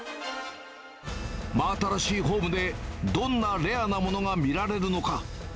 真新しいホームで、どんなレアなものが見られるのか。